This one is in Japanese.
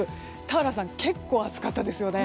田原さん、結構暑かったですね。